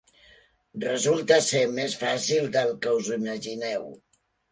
Resulta ser més fàcil del que us imagineu.